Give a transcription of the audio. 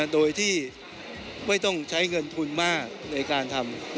โดยที่ไม่ต้องใช้เงินทุนมากในการทำ